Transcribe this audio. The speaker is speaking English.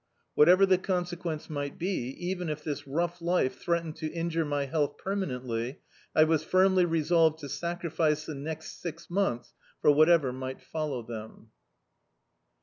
Whatever the consequence mig^t be, even if this roug^ life threattncd to injure my health pcnnanently, I was firmly resolved to sacrifice the next six months for whatever mig^t follow them.